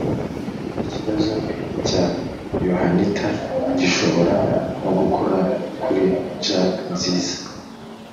Ikibazo cya Yohanita gishobora no gukora kuli Jack Nziza.